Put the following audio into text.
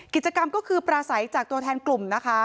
กิจกรรมก็คือปราศัยจากตัวแทนกลุ่มนะคะ